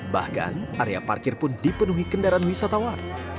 bahkan area parkir pun dipenuhi kendaraan wisatawan